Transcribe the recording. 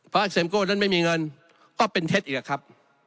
เพราะเซ็มโก้นั้นไม่มีเงินก็เป็นเท็จอีกครับ